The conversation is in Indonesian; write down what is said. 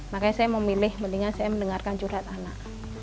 makanya saya memilih mendingan saya mendengarkan curhat anak